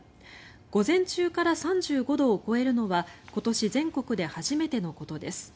午前中から３５度を超えるのは今年全国で初めてのことです。